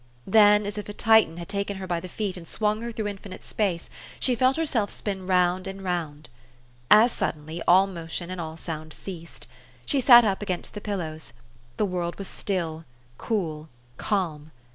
Then, as if a Titan had taken her by the feet, and swung her through infinite space, she felt herself spin round and round. As suddenly all motion and all sound ceased. She THE STORY OF AVIS. 145 sat up against the pillows. The world was still, cool, calm.